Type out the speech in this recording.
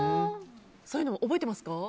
そういうの、覚えてますか？